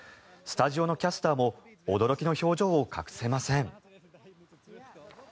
スタジオのキャスターも驚きの表情を隠せません。